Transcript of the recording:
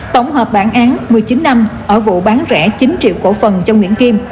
tổng hợp bản án một mươi chín năm ở vụ bán rẻ chín triệu cổ phần cho nguyễn kim